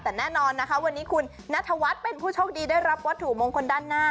แต่แน่นอนนะคะวันนี้คุณนัทวัฒน์เป็นผู้โชคดีได้รับวัตถุมงคลด้านหน้า